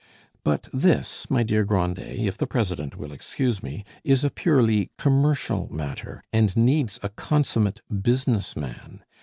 "But this, my dear Grandet, if the president will excuse me, is a purely commercial matter, and needs a consummate business man.